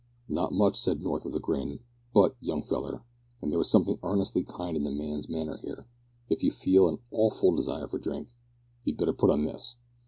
"Not much," said North, with a grin. "But, young feller," (and there was something earnestly kind in the man's manner here), "if you feel an awful desire for drink, you'd better put on this."